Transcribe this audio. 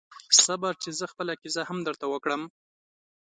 صبر چې زه خپله کیسه هم درته وکړم